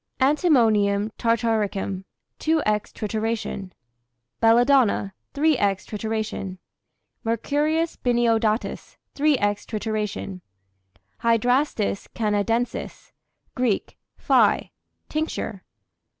Antimonium tartaricum, 2^{×} trituration. Belladonna, 3^{×} trituration. Mercurius biniodatus, 3^{×} trituration. Hydrastis canadensis, [Greek: phi] tincture.